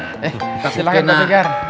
eh silahkan pak cikar